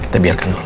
kita biarkan dulu